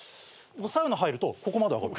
サウナ入るとここまで上がる。